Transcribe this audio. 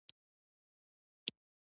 ددې څخه بل هیڅ ارزښتمن څه نشته.